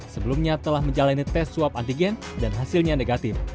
sebelumnya telah menjalani tes swab antigen dan hasilnya negatif